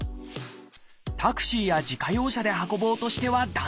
タクシーや自家用車で運ぼうとしては駄目。